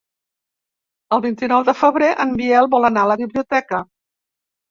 El vint-i-nou de febrer en Biel vol anar a la biblioteca.